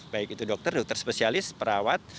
baik itu dokter dokter spesialis perawat